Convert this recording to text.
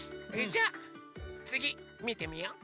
じゃあつぎみてみよう！